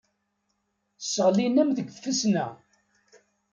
Sseɣlin-am deg tfesna.